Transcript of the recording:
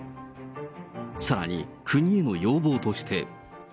さらに国への要望として。